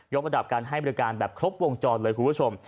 กระดับการให้บริการแบบครบวงจรเลยคุณผู้ชม